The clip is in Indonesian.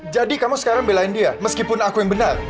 jadi kamu sekarang belain dia meskipun aku yang benar